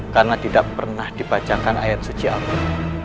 karena tidak pernah dibacakan ayat suci allah